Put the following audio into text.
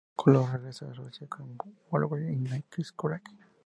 Coloso regresa a Rusia con Wolverine y Nightcrawler.